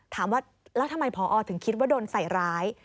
ถามว่าแล้วทำไมพอถึงคิดว่าโดนใส่ร้าย